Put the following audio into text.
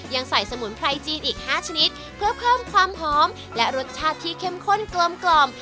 ยังใส่สมุนไพรจีนอีก๕ชนิดเพื่อเพิ่มความหอมและรสชาติที่เข้มข้นกลม